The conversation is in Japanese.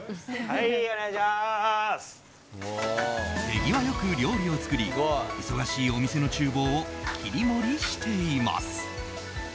手際良く料理を作り忙しいお店の厨房を切り盛りしています。